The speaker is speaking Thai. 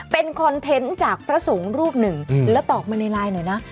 เป็นคอนเทนต์จากพระสงฆ์รูปหนึ่งแล้วตอบมาในไลน์หน่อยนะ